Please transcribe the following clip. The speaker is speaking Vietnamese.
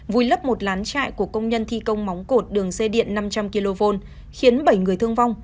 vùi lấp một lán trại của công nhân thi công móng cột đường dây điện năm trăm linh kv khiến bảy người thương vong